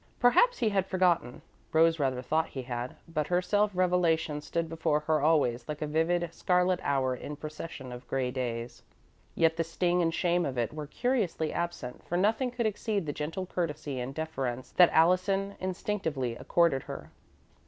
Perhaps he had forgotten Rose rather thought he had, but her self revelation stood before her always like a vivid, scarlet hour in a procession of grey days. Yet the sting and shame of it were curiously absent, for nothing could exceed the gentle courtesy and deference that Allison instinctively accorded her.